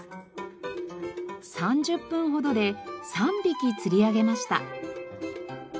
３０分ほどで３匹釣り上げました。